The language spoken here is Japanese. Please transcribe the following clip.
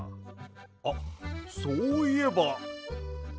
あっそういえば！